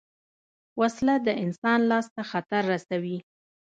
وسله د انسان لاس ته خطر رسوي